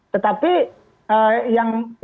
tetapi yang paling penting